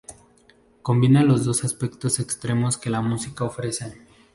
Combina los dos aspectos extremos que la música ofrece.